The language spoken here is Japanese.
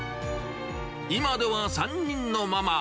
今では３人のママ。